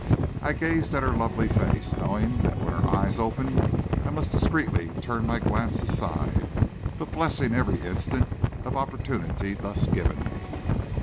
I gazed at her lovely face, knowing that when her eyes opened I must discreetly turn my glance aside, but blessing every instant of opportunity thus given me.